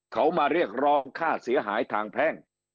เขามาเรียกร้องค่าเสียหายทางแพ่ง